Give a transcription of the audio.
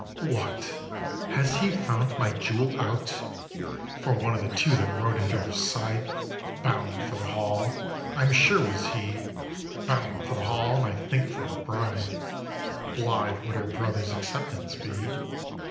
2. What, has he found my jewel out? For one of the two that rode at her side Bound for the Hall, I am sure was he: Bound for the Hall, and I think for a bride. Blithe would her brother's acceptance be.